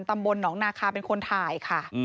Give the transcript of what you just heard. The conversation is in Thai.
ตำบลหนองนาคาเป็นคนถ่ายค่ะ